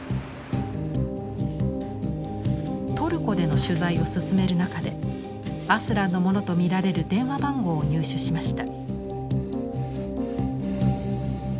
トルコでの取材を進める中でアスランのものと見られる電話番号を入手しました。